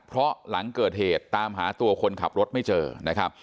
เพราะหลังเกิดเหตุตามหาตัวคนขับรถไม่เจอนะครับ